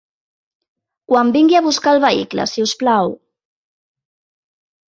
Quan vingui a buscar el vehicle, si us plau.